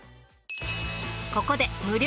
ここで無料